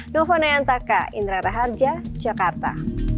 nova nayantaka indra raharja jakarta